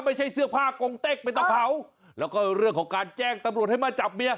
ไม่ใช่เสื้อผ้ากงเต็กไม่ต้องเผาแล้วก็เรื่องของการแจ้งตำรวจให้มาจับเมีย